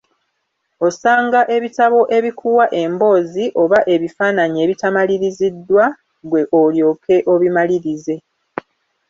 Osanga ebitabo ebikuwa emboozi oba ebifananyi ebitamaliriziddwa, ggwe olyoke obimalirize.